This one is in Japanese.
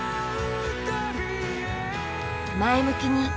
前向きに。